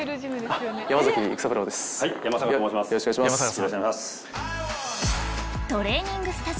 よろしくお願いします。